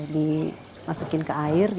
dimasukkan ke air